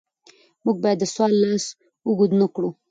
موږ باید د سوال لاس اوږد نکړو.